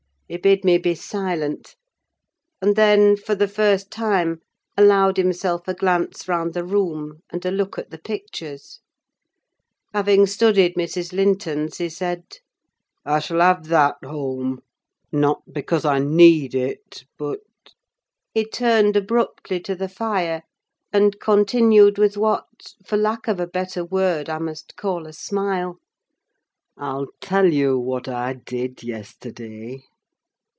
He bid me be silent; and then, for the first time, allowed himself a glance round the room and a look at the pictures. Having studied Mrs. Linton's, he said—"I shall have that home. Not because I need it, but—" He turned abruptly to the fire, and continued, with what, for lack of a better word, I must call a smile—"I'll tell you what I did yesterday!